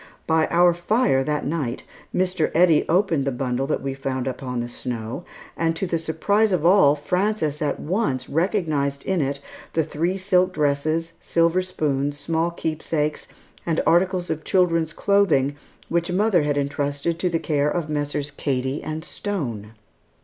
By our fire that night, Mr. Eddy opened the bundle that we had found upon the snow, and to the surprise of all, Frances at once recognized in it the three silk dresses, silver spoons, small keepsakes, and articles of children's clothing which mother had intrusted to the care of Messrs. Cady and Stone.